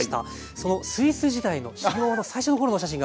そのスイス時代の修業の最初の頃のお写真が。